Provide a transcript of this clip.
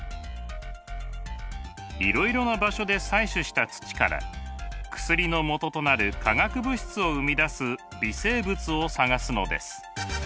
いろいろな場所で採取した土から薬のもととなる化学物質を生み出す微生物を探すのです。